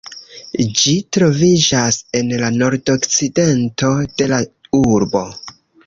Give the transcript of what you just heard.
Ĝi troviĝas en la nordokcidento de la urbo.